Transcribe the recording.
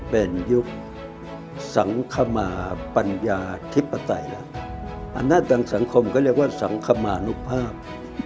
เป็นยุคสังคมปัญญาธิปไตยอันนั้นทางสังคมก็เรียกว่าสังคมานุภาพ